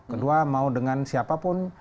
kedua mau dengan siapapun